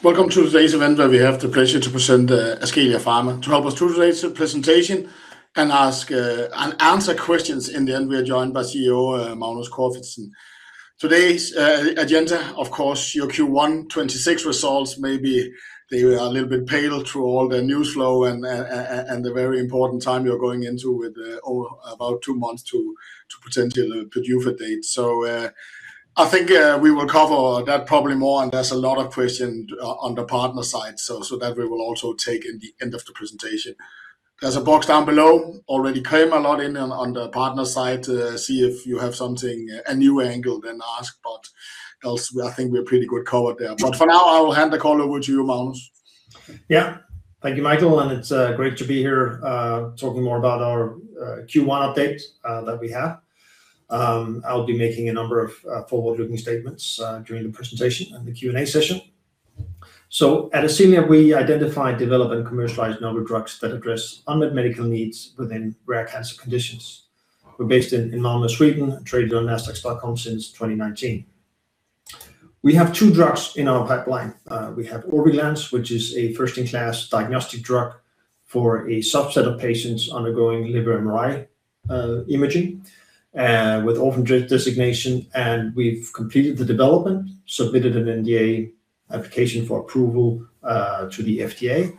Welcome to today's event where we have the pleasure to present Ascelia Pharma. To help us through today's presentation and ask and answer questions in the end, we are joined by CEO Magnus Corfitzen. Today's agenda, of course, your Q1 2026 results, maybe they are a little bit pale through all the news flow and the very important time you're going into with about two months to potential PDUFA date. I think we will cover that probably more, and there's a lot of questions on the partner side, so that we will also take in the end of the presentation. There's a box down below, already came a lot in on the partner side. See if you have something, a new angle, then ask, else I think we're pretty good covered there. For now, I will hand the call over to you, Magnus. Yeah. Thank you, Michael, and it's great to be here, talking more about our Q1 update that we have. I'll be making a number of forward-looking statements during the presentation and the Q&A session. At Ascelia, we identify, develop, and commercialize novel drugs that address unmet medical needs within rare cancer conditions. We're based in Malmö, Sweden, traded on Nasdaq Stockholm since 2019. We have two drugs in our pipeline. We have Orviglance, which is a first-in-class diagnostic drug for a subset of patients undergoing liver MRI imaging, with orphan drug designation, and we've completed the development, submitted an NDA application for approval to the FDA.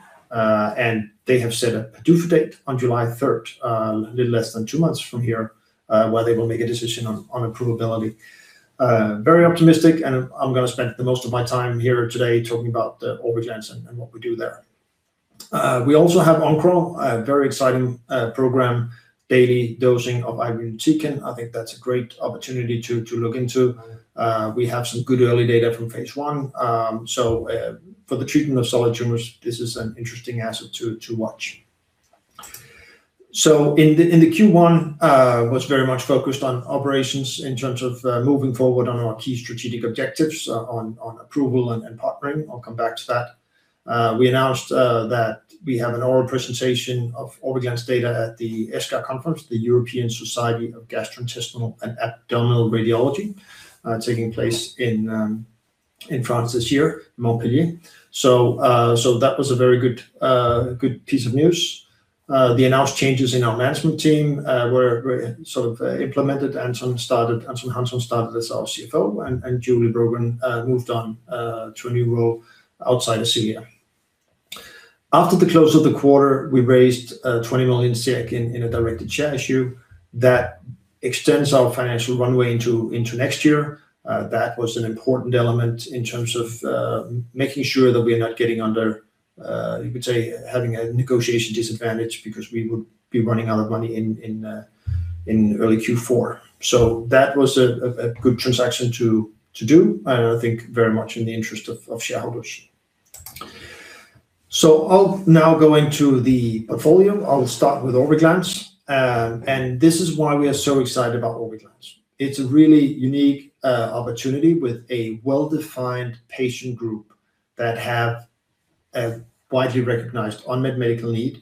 They have set a PDUFA date on July 3, a little less than two months from here, where they will make a decision on approvability. Very optimistic, and I'm gonna spend the most of my time here today talking about Orviglance and what we do there. We also have Oncoral, a very exciting program, daily dosing of irinotecan. I think that's a great opportunity to look into. We have some good early data from phase I. For the treatment of solid tumors, this is an interesting asset to watch. In the Q1 was very much focused on operations in terms of moving forward on our key strategic objectives, on approval and partnering. I'll come back to that. We announced that we have an oral presentation of Orviglance data at the ESGAR conference, the European Society of Gastrointestinal and Abdominal Radiology, taking place in France this year, Montpellier. That was a very good piece of news. The announced changes in our management team were sort of implemented. Anton Hansson started as our CFO, and Julie Brogren moved on to a new role outside Ascelia. After the close of the quarter, we raised 20 million SEK in a directed share issue that extends our financial runway into next year. That was an important element in terms of making sure that we are not getting under, you could say, having a negotiation disadvantage because we would be running out of money in early Q4. That was a good transaction to do, and I think very much in the interest of shareholders. I'll now go into the portfolio. I'll start with Orviglance. This is why we are so excited about Orviglance. It's a really unique opportunity with a well-defined patient group that have a widely recognized unmet medical need,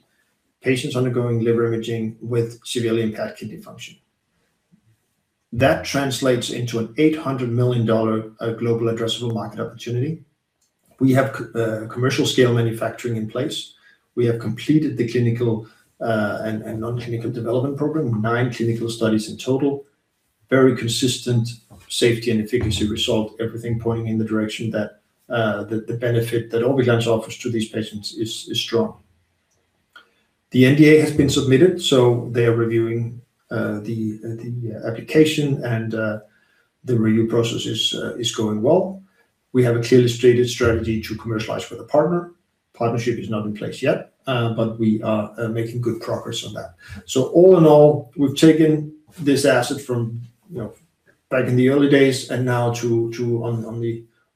patients undergoing liver imaging with severely impacted kidney function. That translates into an $800 million global addressable market opportunity. We have commercial scale manufacturing in place. We have completed the clinical and non-clinical development program, nine clinical studies in total. Very consistent safety and efficacy result, everything pointing in the direction that the benefit that Orviglance offers to these patients is strong. The NDA has been submitted, they are reviewing the application, the review process is going well. We have a clearly stated strategy to commercialize with a partner. Partnership is not in place yet, we are making good progress on that. All in all, we've taken this asset from, you know, back in the early days and now to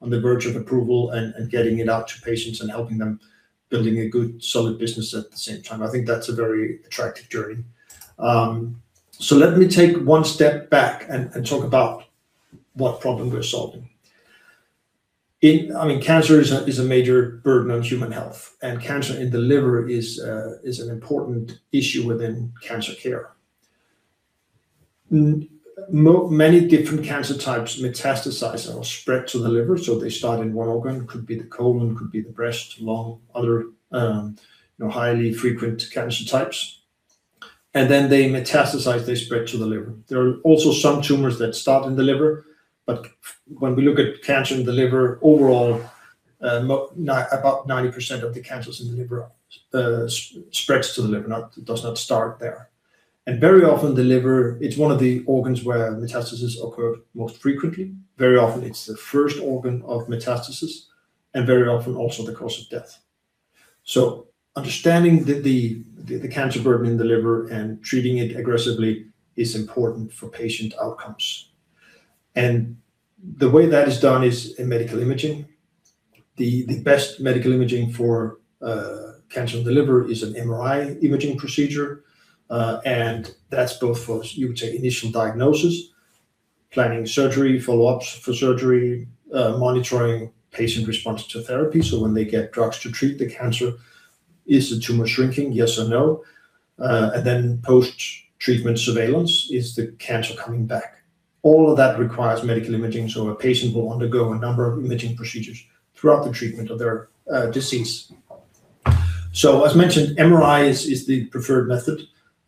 on the verge of approval and getting it out to patients and helping them building a good solid business at the same time. I think that's a very attractive journey. Let me take one step back and talk about what problem we're solving. I mean, cancer is a major burden on human health, and cancer in the liver is an important issue within cancer care. Many different cancer types metastasize or spread to the liver, so they start in one organ. Could be the colon, could be the breast, lung, other, you know, highly frequent cancer types, and then they metastasize, they spread to the liver. There are also some tumors that start in the liver, but when we look at cancer in the liver overall, about 90% of the cancers in the liver spreads to the liver, not, it does not start there. Very often, the liver, it's one of the organs where metastasis occur most frequently. Very often, it's the first organ of metastasis and very often also the cause of death. Understanding the cancer burden in the liver and treating it aggressively is important for patient outcomes. The way that is done is in medical imaging. The best medical imaging for cancer in the liver is an MRI imaging procedure. That's both for, you would say, initial diagnosis, planning surgery, follow-ups for surgery, monitoring patient response to therapy. When they get drugs to treat the cancer, is the tumor shrinking, yes or no? Post-treatment surveillance, is the cancer coming back? All of that requires medical imaging, so a patient will undergo a number of imaging procedures throughout the treatment of their disease. As mentioned, MRI is the preferred method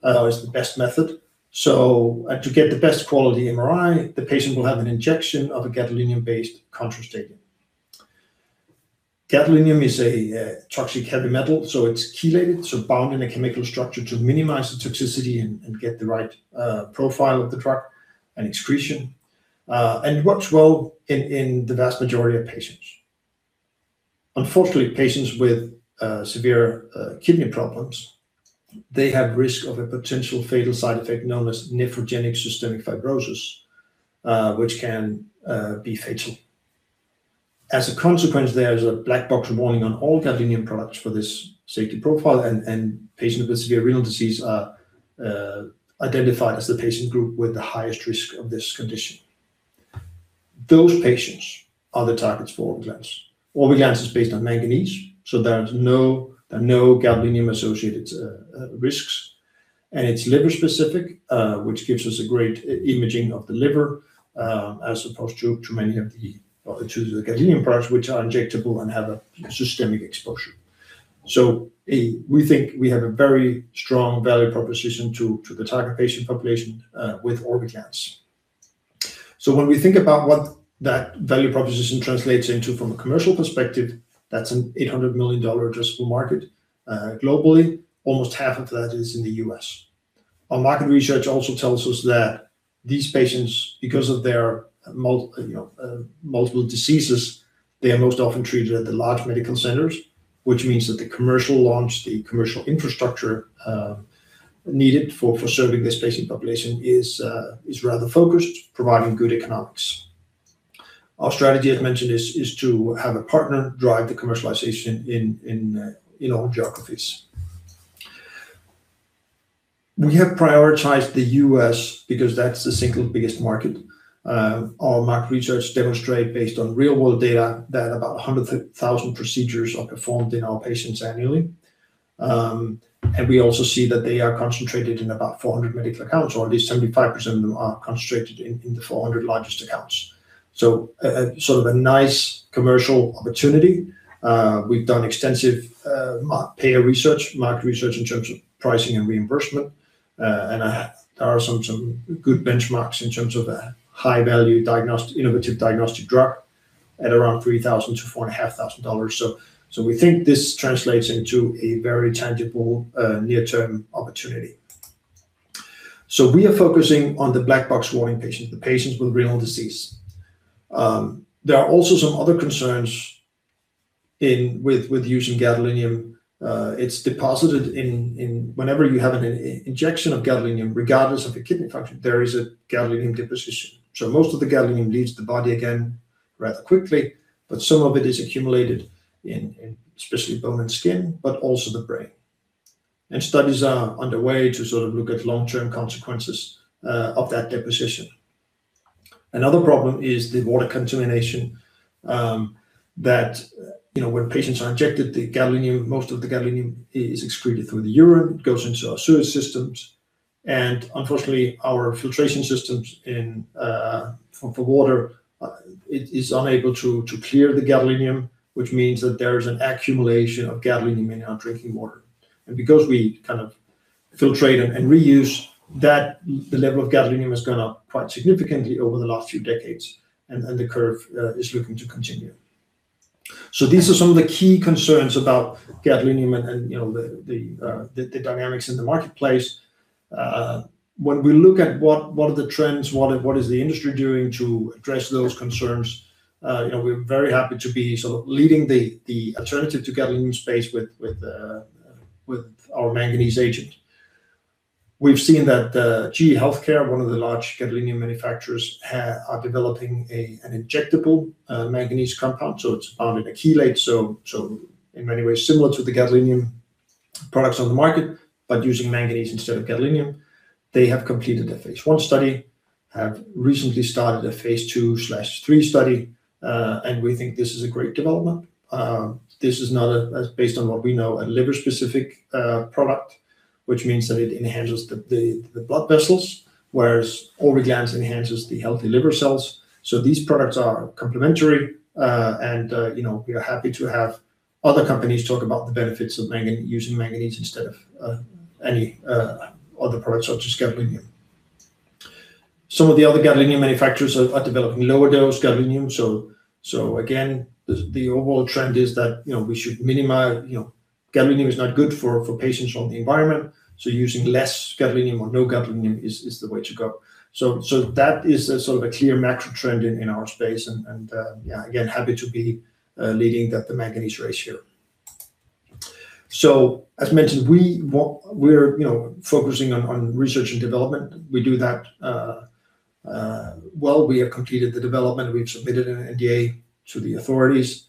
or is the best method. To get the best quality MRI, the patient will have an injection of a gadolinium-based contrast agent. Gadolinium is a toxic heavy metal, so it's chelated, so bound in a chemical structure to minimize the toxicity and get the right profile of the drug and excretion. It works well in the vast majority of patients. Unfortunately, patients with severe kidney problems, they have risk of a potential fatal side effect known as nephrogenic systemic fibrosis, which can be fatal. As a consequence, there is a black box warning on all gadolinium products for this safety profile and patients with severe renal disease are identified as the patient group with the highest risk of this condition. Those patients are the targets for Orviglance. Orviglance is based on manganese, so there are no gadolinium-associated risks. It's liver specific, which gives us a great imaging of the liver, as opposed to many of the gadolinium products which are injectable and have a systemic exposure. We think we have a very strong value proposition to the target patient population with Orviglance. When we think about what that value proposition translates into from a commercial perspective, that's an $800 million addressable market. Globally, almost half of that is in the U.S. Our market research also tells us that these patients, because of their you know, multiple diseases, they are most often treated at the large medical centers, which means that the commercial launch, the commercial infrastructure needed for serving this patient population is rather focused, providing good economics. Our strategy, as mentioned, is to have a partner drive the commercialization in all geographies. We have prioritized the U.S. because that's the single biggest market. Our market research demonstrate, based on real world data, that about 100,000 procedures are performed in our patients annually. We also see that they are concentrated in about 400 medical accounts, or at least 75% of them are concentrated in the 400 largest accounts. A sort of a nice commercial opportunity. We've done extensive market research in terms of pricing and reimbursement. There are some good benchmarks in terms of a high value diagnostic, innovative diagnostic drug at around $3,000-$4,500. We think this translates into a very tangible near-term opportunity. We are focusing on the black box warning patients, the patients with renal disease. There are also some other concerns in with using gadolinium. It's deposited in whenever you have an injection of gadolinium, regardless of your kidney function, there is a gadolinium deposition. Most of the gadolinium leaves the body again rather quickly, but some of it is accumulated in especially bone and skin, but also the brain. Studies are underway to sort of look at long-term consequences of that deposition. Another problem is the water contamination, that, you know, when patients are injected, the gadolinium, most of the gadolinium is excreted through the urine, goes into our sewage systems. Unfortunately, our filtration systems in for water, it is unable to clear the gadolinium, which means that there is an accumulation of gadolinium in our drinking water. Because we kind of filtrate and reuse that, the level of gadolinium has gone up quite significantly over the last few decades, and the curve is looking to continue. These are some of the key concerns about gadolinium and, you know, the dynamics in the marketplace. When we look at what are the trends, what is the industry doing to address those concerns, you know, we're very happy to be sort of leading the alternative to gadolinium space with our manganese agent. We've seen that GE HealthCare, one of the large gadolinium manufacturers, are developing an injectable manganese compound. It's bound in a chelate, so in many ways similar to the gadolinium products on the market, but using manganese instead of gadolinium. They have completed a phase I study, have recently started a phase II/III study, we think this is a great development. This is not a, as based on what we know, a liver specific product, which means that it enhances the blood vessels, whereas Orviglance enhances the healthy liver cells. These products are complementary. You know, we are happy to have other companies talk about the benefits of using manganese instead of any other products such as gadolinium. Some of the other gadolinium manufacturers are developing lower dose gadolinium. Again, the overall trend is that, you know, we should minimize, you know Gadolinium is not good for patients or the environment, so using less gadolinium or no gadolinium is the way to go. That is a sort of a clear macro trend in our space. Again, happy to be leading the manganese race here. As mentioned, we're, you know, focusing on research and development. We do that well. We have completed the development. We've submitted an NDA to the authorities.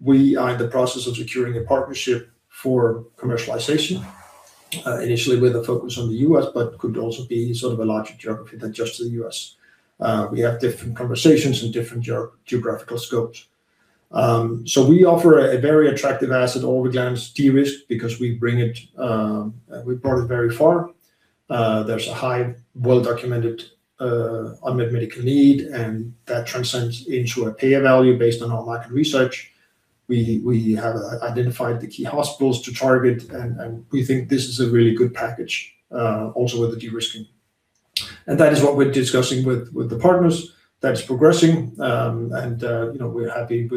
We are in the process of securing a partnership for commercialization, initially with a focus on the U.S., but could also be sort of a larger geography than just the U.S. We have different conversations and different geographical scopes. We offer a very attractive asset, Orviglance de-risk, because we bring it, we brought it very far. There's a high well-documented, unmet medical need, and that transcends into a payer value based on our market research. We have identified the key hospitals to target, and we think this is a really good package, also with the de-risking. That is what we're discussing with the partners. That is progressing. You know, we're happy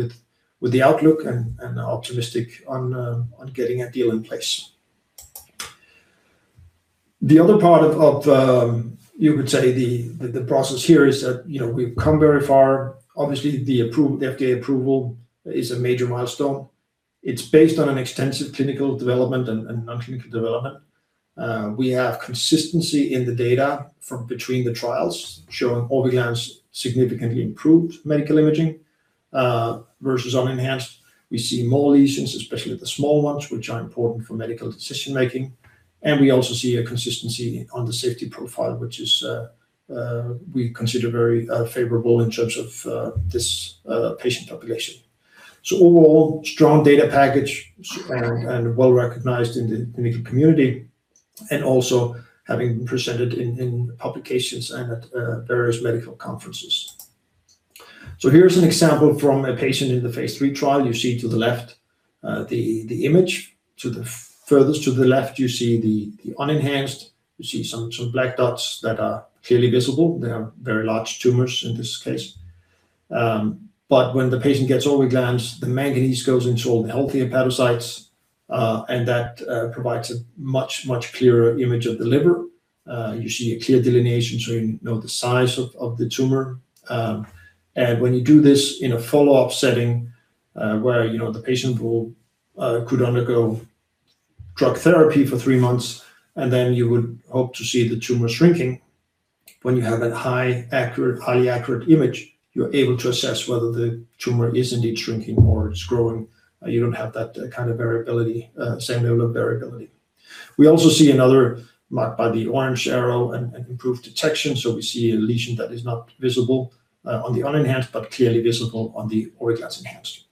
with the outlook and are optimistic on getting a deal in place. The other part of, you could say the process here is that, you know, we've come very far. Obviously, the FDA approval is a major milestone. It's based on an extensive clinical development and non-clinical development. We have consistency in the data from between the trials showing Orviglance significantly improved medical imaging versus unenhanced. We see more lesions, especially the small ones, which are important for medical decision-making. We also see a consistency on the safety profile, which is, we consider very favorable in terms of this patient population. Overall, strong data package and well-recognized in the medical community, and also having presented in publications and at various medical conferences. Here's an example from a patient in the phase III trial. You see to the left, the image. To the furthest to the left, you see the unenhanced. You see some black dots that are clearly visible. They are very large tumors in this case. When the patient gets Orviglance, the manganese goes into all the healthy hepatocytes, and that provides a much clearer image of the liver. You see a clear delineation, so you know the size of the tumor. When you do this in a follow-up setting, where, you know, the patient will could undergo drug therapy for three months, then you would hope to see the tumor shrinking. When you have that high accurate, highly accurate image, you're able to assess whether the tumor is indeed shrinking or it's growing. You don't have that kind of variability, same level of variability. We also see another marked by the orange arrow, enhanced detection. We see a lesion that is not visible on the unenhanced, but clearly visible on the Orviglance enhanced.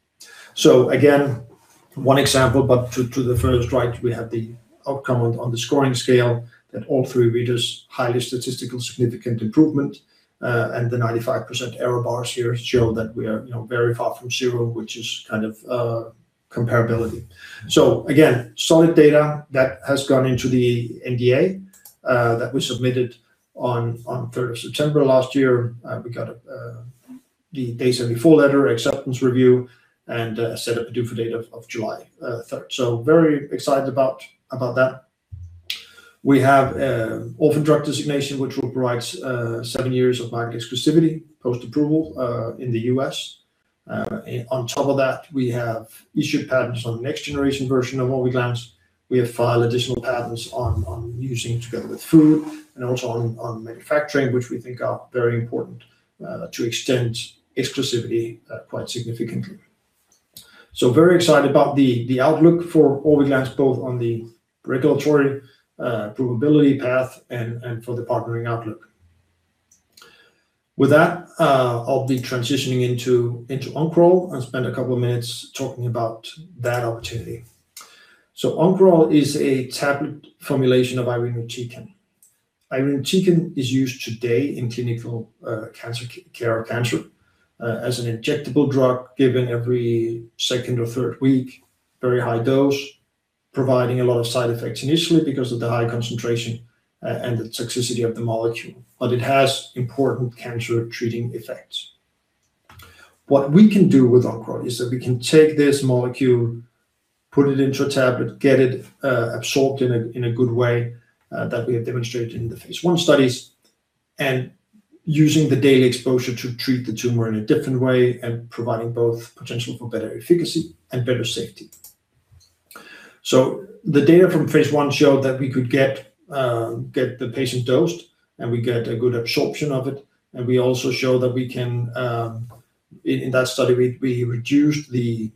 Again, one example, but to the furthest right, we have the outcome on the scoring scale that all three readers highly statistical significant improvement. The 95% error bars here show that we are, you know, very far from zero which is kind of comparability. Again, solid data that has gone into the NDA that we submitted on 3rd of September last year. We got a Day 74 letter acceptance review and set up a PDUFA date of July 3rd. Very excited about that. We have orphan drug designation, which will provide seven years of market exclusivity post-approval in the U.S. On top of that, we have issued patents on the next generation version of Orviglance. We have filed additional patents on using together with food and also on manufacturing, which we think are very important to extend exclusivity quite significantly. Very excited about the outlook for Orviglance, both on the regulatory approvability path and for the partnering outlook. With that, I'll be transitioning into Oncoral and spend a couple of minutes talking about that opportunity. Oncoral is a tablet formulation of irinotecan. Irinotecan is used today in clinical cancer, care of cancer, as an injectable drug given every second or third week, very high dose, providing a lot of side effects initially because of the high concentration and the toxicity of the molecule. It has important cancer treating effects. What we can do with Oncoral is that we can take this molecule, put it into a tablet, get it absorbed in a good way, that we have demonstrated in the phase I studies, and using the daily exposure to treat the tumor in a different way and providing both potential for better efficacy and better safety. The data from phase I showed that we could get the patient dosed, and we get a good absorption of it. We also show that we can in that study, we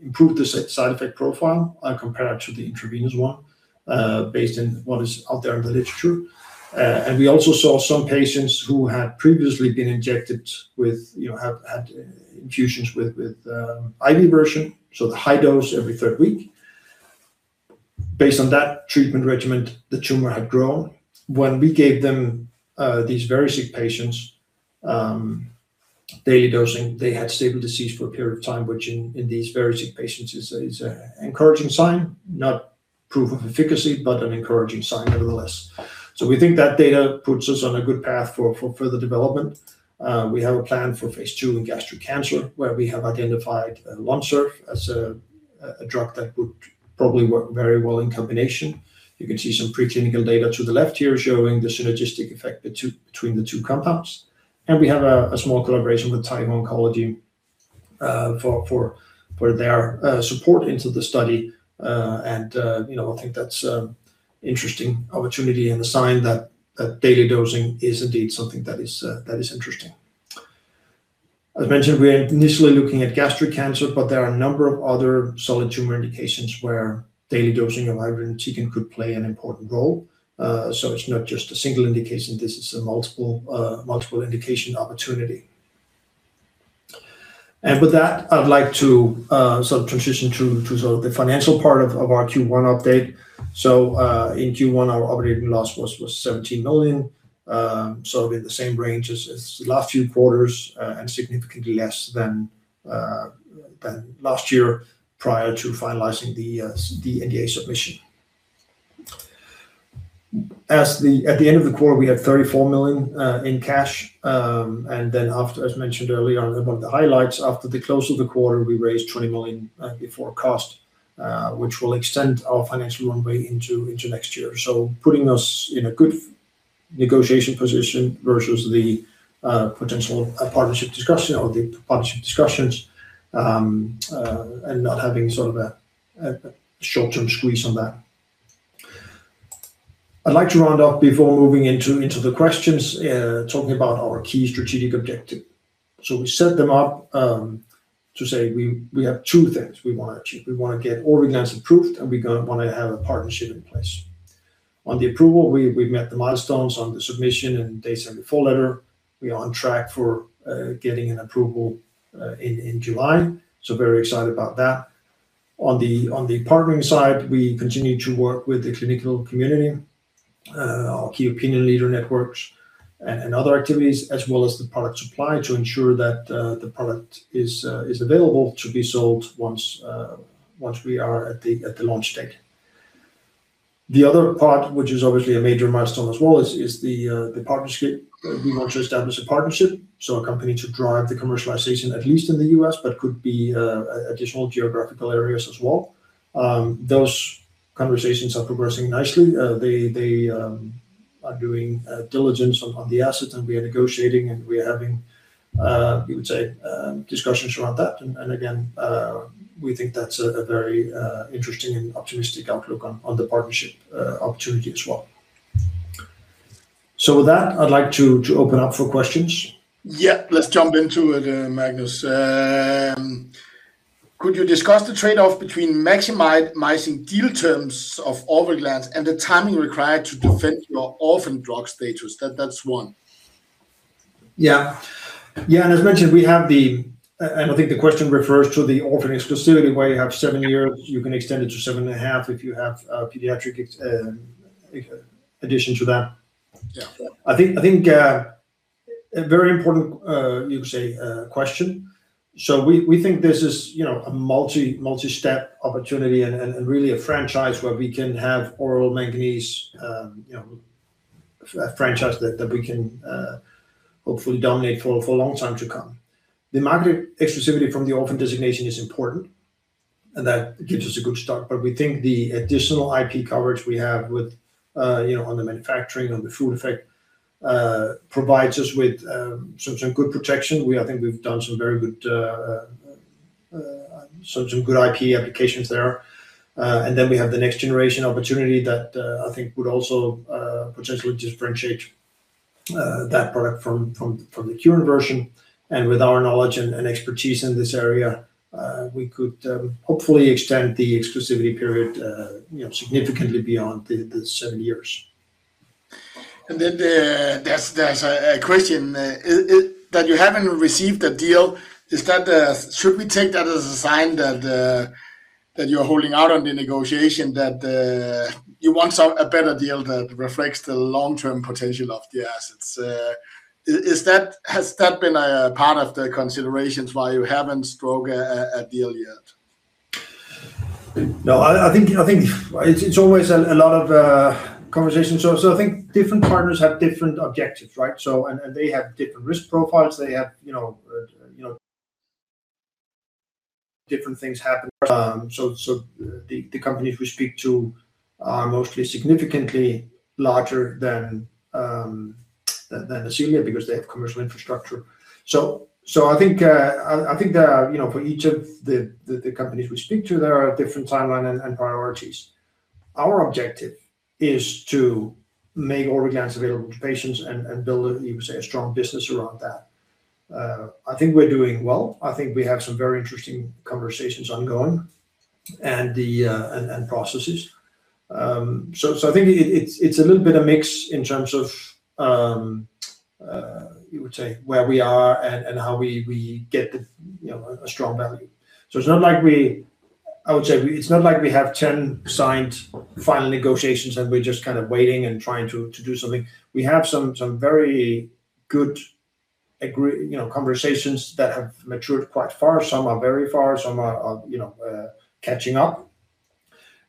improved the side effect profile compared to the intravenous one, based on what is out there in the literature. We also saw some patients who had previously been injected with, you know, have had infusions with IV version, so the high dose every 3rd week. Based on that treatment regimen, the tumor had grown. When we gave them these very sick patients, daily dosing, they had stable disease for a period of time, which in these very sick patients is an encouraging sign, not proof of efficacy, but an encouraging sign nevertheless. We think that data puts us on a good path for further development. We have a plan for Phase II in gastric cancer, where we have identified LONSURF as a drug that would probably work very well in combination. You can see some preclinical data to the left here showing the synergistic effect between the two compounds. We have a small collaboration with Taiho Oncology for their support into the study. You know, I think that's interesting opportunity and a sign that daily dosing is indeed something that is interesting. As mentioned, we are initially looking at gastric cancer, but there are a number of other solid tumor indications where daily dosing of irinotecan could play an important role. It's not just a single indication. This is a multiple indication opportunity. With that, I'd like to sort of transition to sort of the financial part of our Q1 update. In Q1, our operating loss was 17 million, in the same range as the last few quarters, and significantly less than last year prior to finalizing the NDA submission. At the end of the quarter, we had 34 million in cash. After, as mentioned earlier about the highlights, after the close of the quarter, we raised 20 million before cost, which will extend our financial runway into next year. Putting us in a good negotiation position versus the potential partnership discussion or the partnership discussions, and not having sort of a short-term squeeze on that. I'd like to round off before moving into the questions, talking about our key strategic objective. We set them up to say we have two things we wanna achieve. We wanna get Orviglance approved, and we wanna have a partnership in place. On the approval, we've met the milestones on the submission and Day 74 Filing Letter. We are on track for getting an approval in July, very excited about that. On the partnering side, we continue to work with the clinical community, our key opinion leader networks and other activities, as well as the product supply to ensure that the product is available to be sold once we are at the launch date. The other part, which is obviously a major milestone as well, is the partnership. We want to establish a partnership, so a company to drive the commercialization, at least in the U.S., but could be additional geographical areas as well. Those conversations are progressing nicely. They are doing diligence on the assets, and we are negotiating, and we are having, you would say, discussions around that. Again, we think that's a very interesting and optimistic outlook on the partnership opportunity as well. With that, I'd like to open up for questions. Yeah, let's jump into it, Magnus. Could you discuss the trade-off between maximizing deal terms of Orviglance and the timing required to defend your orphan drug status? That's one. Yeah. Yeah. As mentioned, I think the question refers to the orphan exclusivity where you have seven years. You can extend it to seven and a half if you have pediatric addition to that. Yeah. I think a very important, you could say, question. We think this is, you know, a multi-step opportunity and really a franchise where we can have oral manganese, you know, a franchise that we can hopefully dominate for a long time to come. The market exclusivity from the orphan designation is important, and that gives us a good start. We think the additional IP coverage we have with, you know, on the manufacturing, on the food effect, provides us with some good protection. I think we've done some very good some good IP applications there. We have the next generation opportunity that I think would also potentially differentiate that product from the current version. With our knowledge and expertise in this area, we could, hopefully extend the exclusivity period, you know, significantly beyond the seven years. Then there's a question. That you haven't received a deal, should we take that as a sign that you're holding out on the negotiation, that you want some, a better deal that reflects the long-term potential of the assets? Is that, has that been a part of the considerations why you haven't struck a deal yet? No, I think it's always a lot of conversation. I think different partners have different objectives, right? And they have different risk profiles. They have, you know, different things happen. So the companies we speak to are mostly significantly larger than Ascelia because they have commercial infrastructure. So I think, I think there are, you know, for each of the companies we speak to, there are different timeline and priorities. Our objective is to make Orviglance available to patients and build a, you would say, a strong business around that. I think we're doing well. I think we have some very interesting conversations ongoing and the and processes. I think it's a little bit a mix in terms of, you would say, where we are and how we get the, you know, a strong value. It's not like I would say we, it's not like we have 10 signed final negotiations, and we're just kind of waiting and trying to do something. We have some very good, you know, conversations that have matured quite far. Some are very far. Some are, you know, catching up.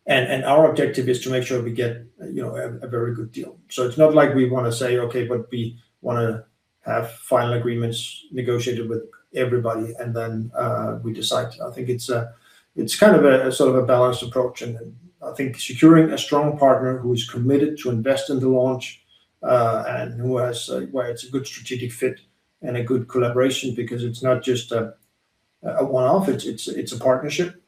Our objective is to make sure we get, you know, a very good deal. It's not like we wanna say, Okay, but we wanna have final agreements negotiated with everybody, and then we decide." I think it's a, it's kind of a sort of a balanced approach. I think securing a strong partner who is committed to invest in the launch, and who has, where it's a good strategic fit and a good collaboration because it's not just a one-off. It's a partnership.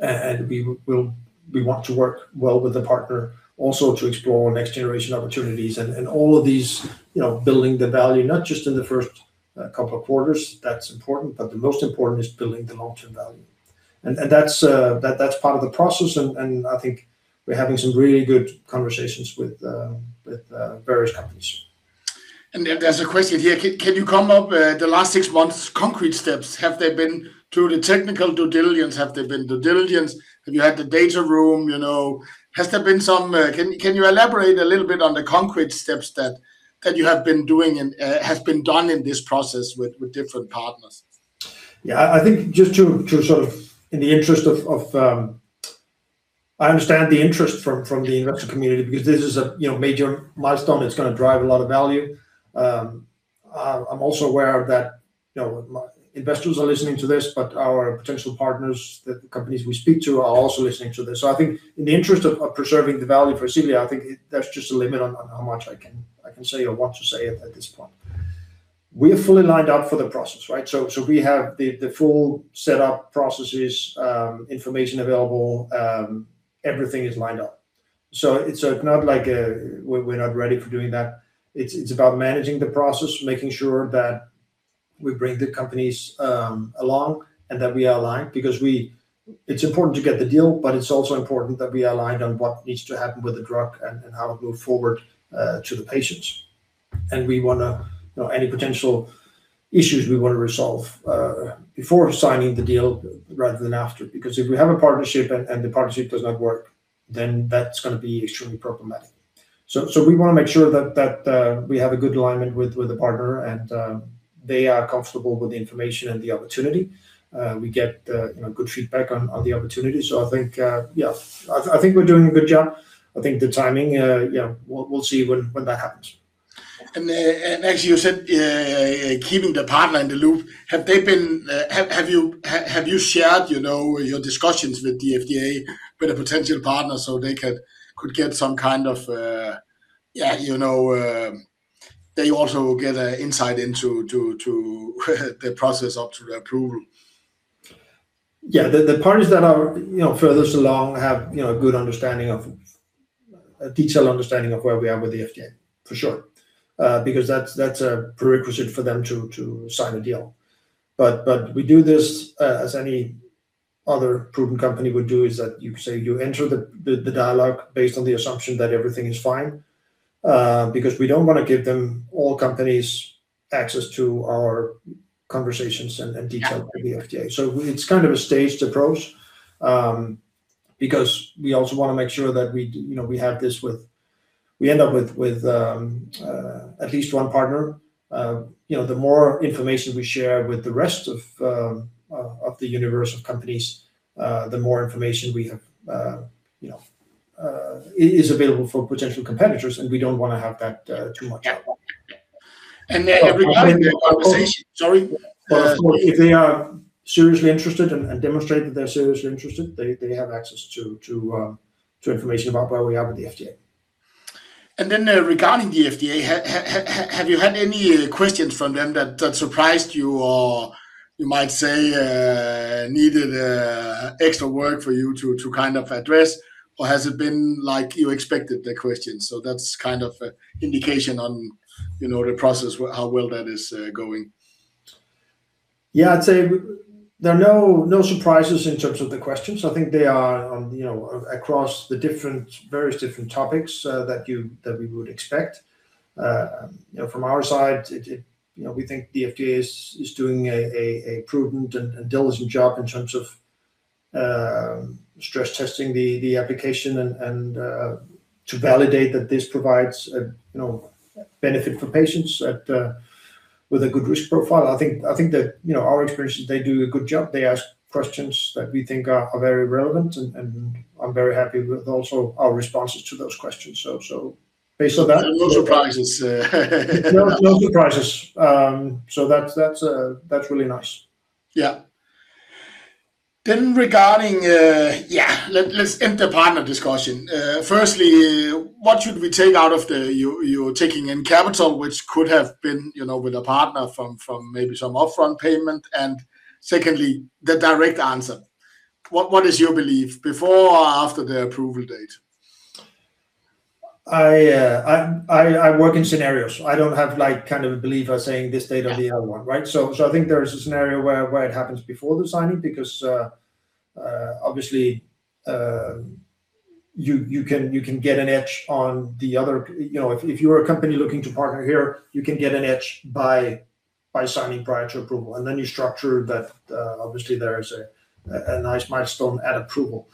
We will, we want to work well with the partner also to explore next generation opportunities. All of these, you know, building the value, not just in the first couple of quarters. That's important, but the most important is building the long-term value. That's part of the process, I think we're having some really good conversations with various companies. There's a question here. Can you come up, the last six months concrete steps, have there been through the technical due diligence, have there been due diligence? Have you had the data room, you know? Has there been some? Can you elaborate a little bit on the concrete steps that you have been doing and has been done in this process with different partners? Yeah. I think just to sort of in the interest of, I understand the interest from the investor community because this is a, you know, major milestone that's gonna drive a lot of value. I'm also aware that, you know, investors are listening to this, our potential partners, the companies we speak to are also listening to this. I think in the interest of preserving the value for Ascelia, there's just a limit on how much I can say or want to say at this point. We are fully lined up for the process, right? We have the full set up processes, information available. Everything is lined up. It's not like we're not ready for doing that. It's about managing the process, making sure that we bring the companies along and that we are aligned because it's important to get the deal, but it's also important that we are aligned on what needs to happen with the drug and how to move forward to the patients. We wanna, you know, any potential issues we wanna resolve before signing the deal rather than after. If we have a partnership and the partnership does not work, then that's gonna be extremely problematic. We wanna make sure that we have a good alignment with the partner and they are comfortable with the information and the opportunity. We get, you know, good feedback on the opportunity. I think, yeah, I think we're doing a good job. I think the timing, yeah, we'll see when that happens. As you said, keeping the partner in the loop, have they been, have you shared, you know, your discussions with the FDA with a potential partner so they could get some kind of, yeah, you know, they also will get an insight into the process up to the approval? Yeah. The parties that are, you know, furthest along have, you know, a good understanding of, a detailed understanding of where we are with the FDA, for sure. Because that's a prerequisite for them to sign a deal. We do this as any other prudent company would do is that you say you enter the dialogue based on the assumption that everything is fine. Because we don't wanna give them, all companies, access to our conversations with the FDA. It's kind of a staged approach, because we also wanna make sure that we, you know, we have this with, we end up with at least one partner. You know, the more information we share with the rest of the universe of companies, the more information we have, you know, is available for potential competitors and we don't wanna have that too much. Yeah. Sorry. If they are seriously interested and demonstrate that they're seriously interested, they have access to information about where we are with the FDA. Regarding the FDA, have you had any questions from them that surprised you or you might say, needed extra work for you to kind of address or has it been like you expected the questions? That's kind of a indication on, you know, the process how well that is, going. I'd say there are no surprises in terms of the questions. I think they are on, you know, across the different, various different topics that you, that we would expect. You know, from our side it, you know, we think the FDA is doing a prudent and diligent job in terms of stress testing the application and to validate that this provides a, you know, benefit for patients that with a good risk profile. I think that, you know, our experience is they do a good job. They ask questions that we think are very relevant and I'm very happy with also our responses to those questions. Based on that. No surprises. No, no surprises. That's really nice. Regarding. Let's end the partner discussion. Firstly, what should we take out of the you're taking in capital which could have been, you know, with a partner from maybe some upfront payment. Secondly, the direct answer. What is your belief before or after the approval date? I work in scenarios. I don't have like kind of a belief of saying this date or the other one, right? Yeah. I think there is a scenario where it happens before the signing because obviously you can get an edge on the other. You know, if you are a company looking to partner here, you can get an edge by signing prior to approval and then you structure that. Obviously there is a nice milestone at approval.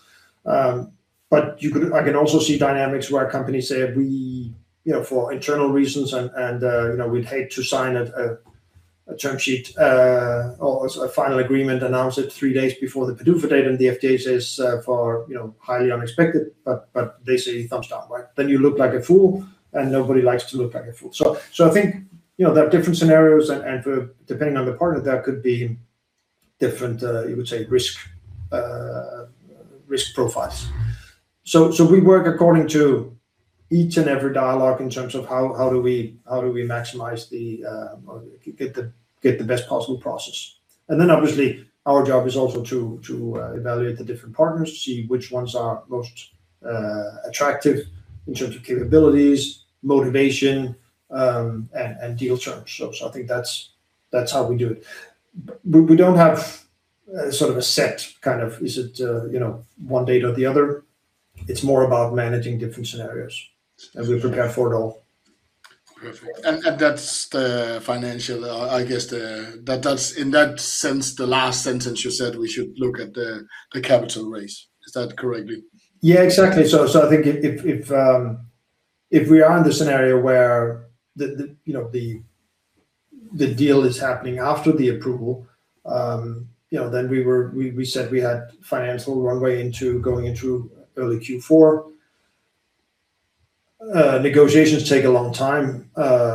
I can also see dynamics where companies say we, you know, for internal reasons and, you know, we'd hate to sign a term sheet or a final agreement, announce it three days before the PDUFA date and the FDA says, for, you know, highly unexpected but they say thumbs down. You look like a fool and nobody likes to look like a fool. I think, you know, there are different scenarios and for depending on the partner there could be different, you would say risk profiles. We work according to each and every dialogue in terms of how do we maximize the or get the best possible process. Obviously our job is also to evaluate the different partners to see which ones are most attractive in terms of capabilities, motivation, and deal terms. I think that's how we do it. We don't have sort of a set kind of is it, you know, one date or the other. It's more about managing different scenarios. As we prepare for it all. Perfect. That's the financial, I guess That's in that sense the last sentence you said we should look at the capital raise. Is that correct? Exactly. I think if we are in the scenario where the, you know, the deal is happening after the approval, you know, then we said we had financial runway into going into early Q4. Negotiations take a long time,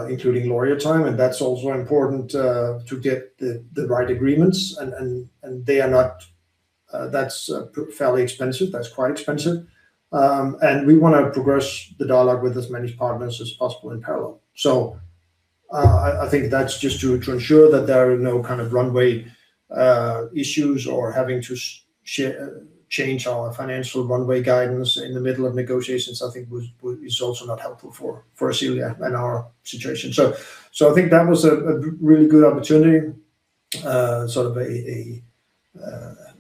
including lawyer time, and that's also important to get the right agreements and they are not, that's fairly expensive. That's quite expensive. We wanna progress the dialogue with as many partners as possible in parallel. I think that's just to ensure that there are no kind of runway issues or having to change our financial runway guidance in the middle of negotiations I think would is also not helpful for Ascelia in our situation. I think that was a really good opportunity, sort of a,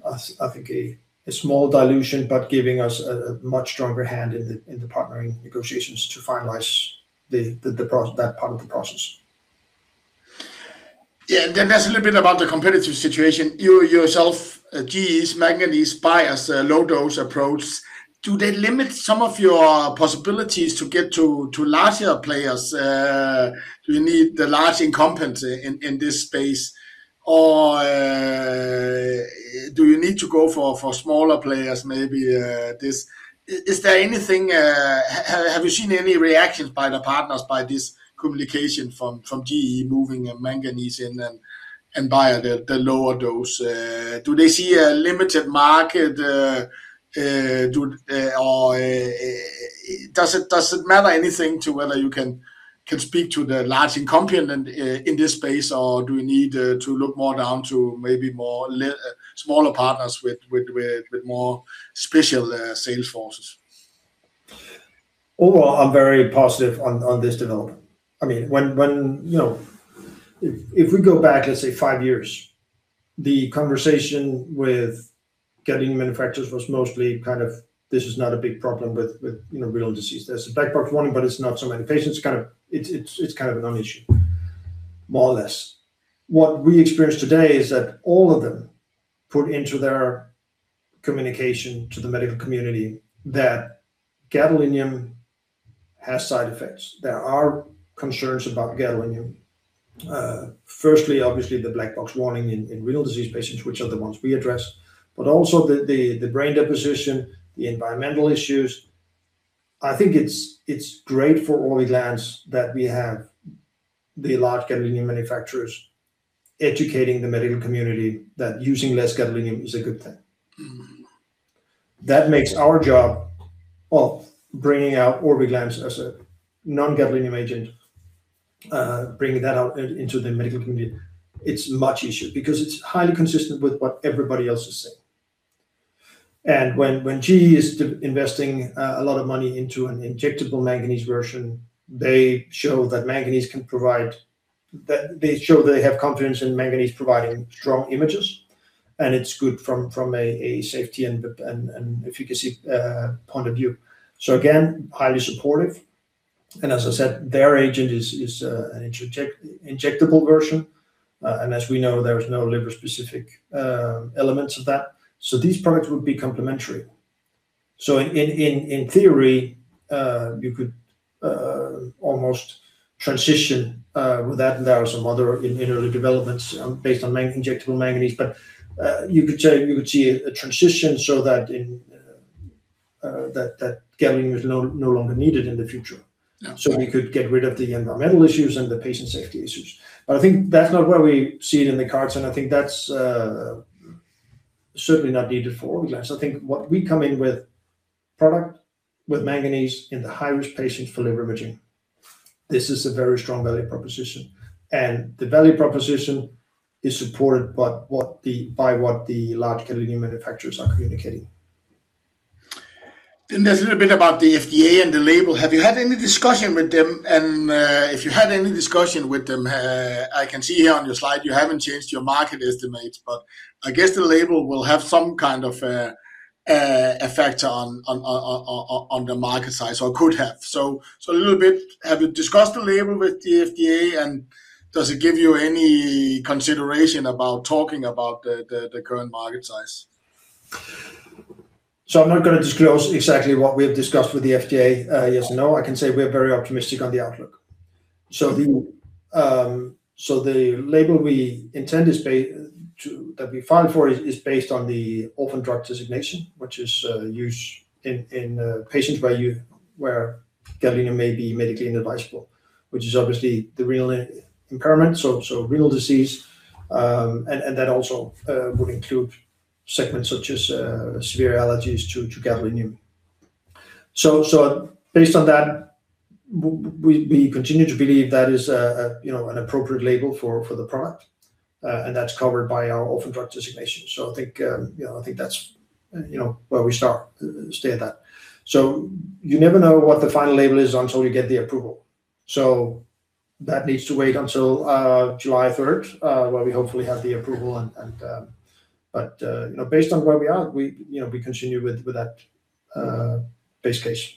I think a small dilution, but giving us a much stronger hand in the partnering negotiations to finalize that part of the process. Yeah. There's a little bit about the competitive situation. You yourself, GE manganese-based, low-dose approach, do they limit some of your possibilities to get to larger players? Do you need the large incumbents in this space or do you need to go for smaller players maybe, is there anything, have you seen any reactions by the partners by this communication from GE moving manganese and via the lower dose? Do they see a limited market, or does it matter anything to whether you can speak to the large incumbent in this space or do you need to look more down to maybe more smaller partners with more special sales forces? Overall, I'm very positive on this development. I mean, when you know, if we go back, let's say five years, the conversation with gadolinium manufacturers was mostly kind of this is not a big problem with you know, renal disease. There's a black box warning but it's not so many patients. It's kind of a non-issue more or less. What we experience today is that all of them put into their communication to the medical community that gadolinium has side effects. There are concerns about gadolinium. Firstly, obviously the black box warning in renal disease patients which are the ones we address, but also the brain deposition, the environmental issues. I think it's great for Orviglance that we have the large gadolinium manufacturers educating the medical community that using less gadolinium is a good thing. That makes our job of bringing out Orviglance as a non-gadolinium agent, bringing that out into the medical community, it's much easier because it's highly consistent with what everybody else is saying. When GE is investing a lot of money into an injectable manganese version, they show that manganese can provide, that they show they have confidence in manganese providing strong images and it's good from a safety and efficacy point of view. Again, highly supportive and as I said their agent is an injectable version. As we know there is no liver specific elements of that. These products would be complementary. In theory, you could almost transition with that and there are some other in early developments, based on injectable manganese, but you could see a transition that gadolinium is no longer needed in the future. Yeah. We could get rid of the environmental issues and the patient safety issues. I think that's not where we see it in the cards and I think that's certainly not needed for Orviglance. I think what we come in with product with manganese in the high-risk patients for liver imaging, this is a very strong value proposition and the value proposition is supported by what the, by what the large gadolinium manufacturers are communicating. There's a little bit about the FDA and the label. Have you had any discussion with them and if you had any discussion with them, I can see here on your slide you haven't changed your market estimates but I guess the label will have some kind of a effect on the market size or could have. A little bit have you discussed the label with the FDA and does it give you any consideration about talking about the current market size? I'm not gonna disclose exactly what we have discussed with the FDA. Yes, no. I can say we are very optimistic on the outlook. The label we intend that we filed for is based on the orphan drug designation which is used in patients where gadolinium may be medically inadvisable which is obviously the renal impairment, renal disease. That also would include segments such as severe allergies to gadolinium. Based on that we continue to believe that is a, you know, an appropriate label for the product. That's covered by our orphan drug designation. I think, you know, I think that's, you know, where we start, stay at that. You never know what the final label is until you get the approval. That needs to wait until July 3rd, where we hopefully have the approval and, you know, based on where we are, we, you know, we continue with that base case.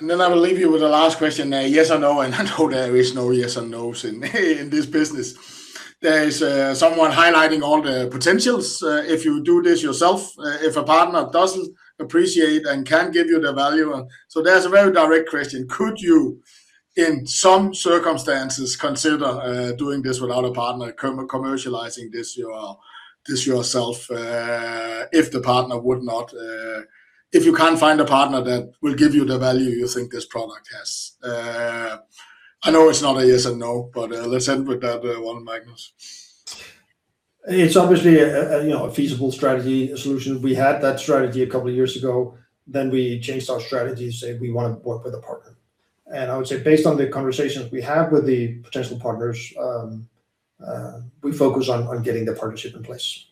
I will leave you with the last question. Yes or no, I know there is no yes or no's in this business. There is someone highlighting all the potentials if you do this yourself, if a partner doesn't appreciate and can give you the value. There's a very direct question. Could you, in some circumstances, consider doing this without a partner, commercializing this yourself, if the partner would not, if you can't find a partner that will give you the value you think this product has? I know it's not a yes or no, let's end with that one, Magnus. It's obviously a, you know, a feasible strategy solution. We had that strategy a couple of years ago, then we changed our strategy, say we wanna work with a partner. I would say based on the conversations we have with the potential partners, we focus on getting the partnership in place.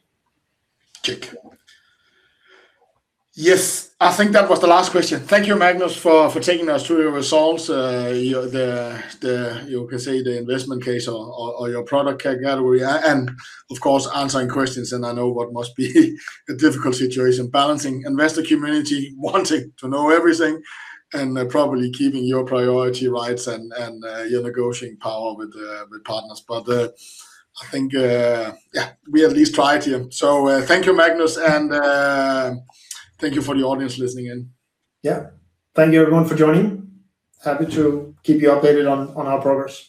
Yes, I think that was the last question. Thank you, Magnus, for taking us through your results. The You can say the investment case or your product category and of course answering questions, and I know what must be a difficult situation balancing investor community wanting to know everything, and probably keeping your priority rights and your negotiating power with partners. I think, yeah, we at least tried here. Thank you, Magnus, and thank you for the audience listening in. Yeah. Thank you everyone for joining. Happy to keep you updated on our progress.